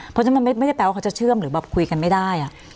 เพราะฉะนั้นมันไม่ได้แปลว่าเขาจะเชื่อมหรือแบบคุยกันไม่ได้